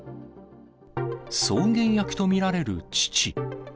送迎役と見られる父。